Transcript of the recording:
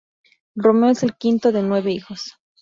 Romeo es el quinto de nueve hijos.